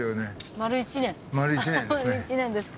丸１年ですか。